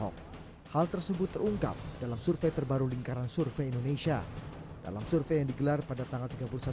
jadi pertarungan di pemilih yang usia muda menuju matang